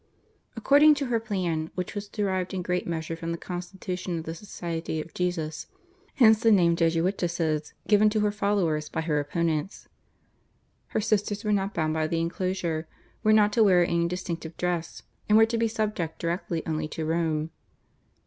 According to her plan, which was derived in great measure from the constitution of the Society of Jesus (hence the name Jesuitesses given to her followers by her opponents), her sisters were not bound by the enclosure, were not to wear any distinctive dress, and were to be subject directly only to Rome.